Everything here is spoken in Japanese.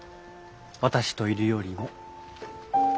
私といるよりも。